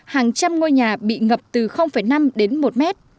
hàng trăm ngôi nhà bị ngập từ năm đến một mét